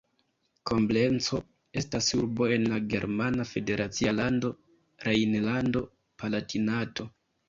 Koblenco estas urbo en la germana federacia lando Rejnlando-Palatinato.